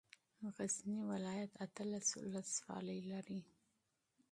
غزني ولايت اتلس ولسوالۍ لري.